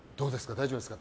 大丈夫ですか？